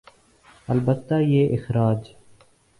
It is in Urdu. البتہ یہ اخراج